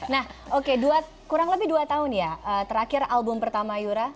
nah oke kurang lebih dua tahun ya terakhir album pertama yura